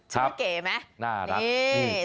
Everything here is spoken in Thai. ว่าเก๋ไหมน่ารัก